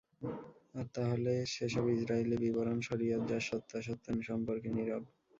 আর তাহলো সে সব ইসরাঈলী বিবরণ, শরীয়ত যার সত্যাসত্য সম্পর্কে নিরব।